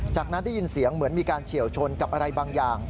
จากนั้นได้ยินเสียงเหมือนมีการเฉียวชนกับอะไรบางอย่าง